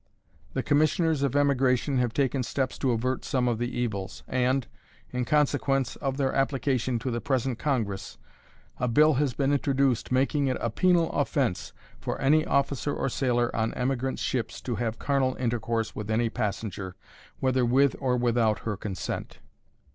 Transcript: The Commissioners of Emigration have taken steps to avert some of the evils, and, in consequence of their application to the present Congress, a bill has been introduced making it a penal offense for any officer or sailor on emigrant ships to have carnal intercourse with any passenger, whether with or without her consent.